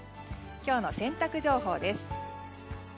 今日の洗濯情報です。